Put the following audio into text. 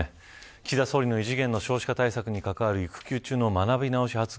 岸田総理の異次元の少子化対策に関わる育休中の学び直し発言。